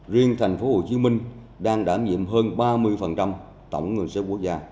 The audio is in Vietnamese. riêng thành phố hồ chí minh đang đảm nhiệm hơn ba mươi tổng ngân sách quốc gia